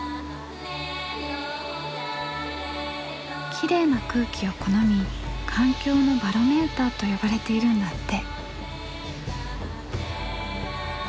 きれいな空気を好み環境のバロメーターと呼ばれているんだって。